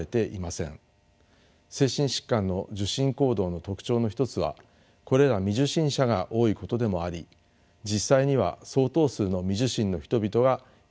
精神疾患の受診行動の特徴の一つはこれら未受診者が多いことでもあり実際には相当数の未受診の人々がいると考えられます。